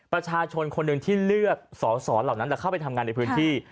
ประชาชนคนหนึ่งที่เลือกสอสอเหล่านั้นเข้าไปทำงานในพื้นที่